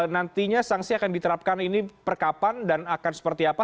nantinya sanksi akan diterapkan ini perkapan dan akan seperti apa